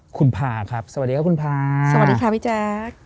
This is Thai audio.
คุณพาครับสวัสดีครับคุณพาสวัสดีค่ะพี่แจ๊ค